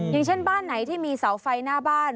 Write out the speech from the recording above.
อย่างเช่นบ้านไหนที่มีเสาไฟหน้าบ้าน